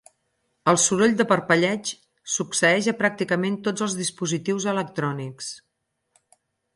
El soroll de parpelleig succeeix a pràcticament tots els dispositius electrònics.